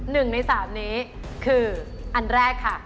๑ใน๓นี้คืออันแรกค่ะ